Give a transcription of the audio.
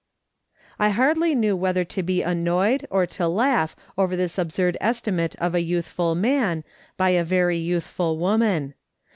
I hardly knew whether to be annoyed or to laugh over this absurd estimate of a youthful man, by a very youthful woman.